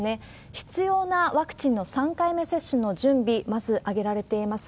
必要なワクチンの３回目接種の準備、まず挙げられています。